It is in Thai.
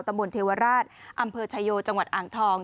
ตมเทวาราชอำเภอชะโยชน์จังหวัดอ่างทอง